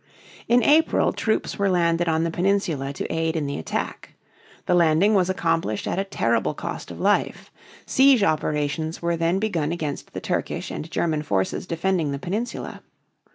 In April troops were landed on the peninsula to aid in the attack. The landing was accomplished at a terrible cost of life. Siege operations were then begun against the Turkish and German forces defending the peninsula.